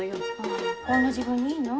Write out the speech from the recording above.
あこんな時分にいいの？